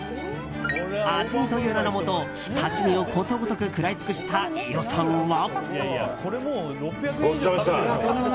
味見という名のもと刺し身をことごとく食らい尽くした飯尾さんは。